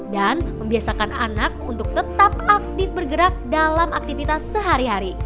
dan membiasakan anak untuk tetap aktif bergerak dalam aktivitas sehari hari